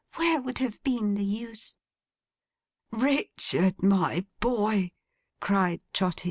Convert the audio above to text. Where would have been the use!' 'Richard my boy!' cried Trotty.